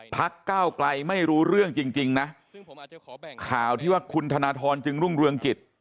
พักก้าวไกลไม่รู้เรื่องจริงนะข่าวที่ว่าคุณธนทรจึงรุ่งเรืองกิจ